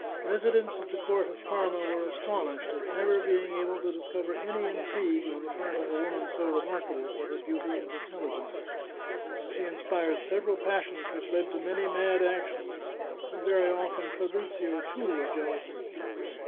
Residents at the court of Parma were astonished at never being able to discover any intrigue on the part of a woman so remarkable for beauty and intelligence. She inspired sev eral passions which led to many mad actions, and very often Fabrizio, too, was jealous.